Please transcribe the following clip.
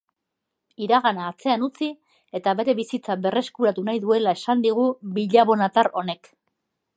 Iragana atzean utzi eta bere bizitza berreskuratu nahi duela esan digu billabonatar honek.